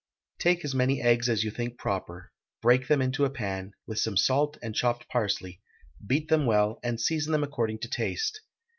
Take as many eggs as you think proper; break them into a pan, with some salt and chopped parsley; beat them well, and season them according to taste.